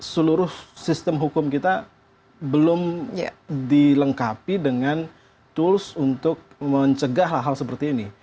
seluruh sistem hukum kita belum dilengkapi dengan tools untuk mencegah hal hal seperti ini